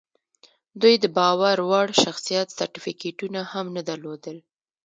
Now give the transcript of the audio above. دوی د باور وړ شخصیت سرټیفیکټونه هم نه درلودل